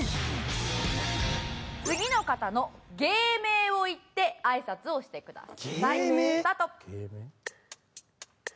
次の方の芸名を言ってあいさつをしてください。スタート。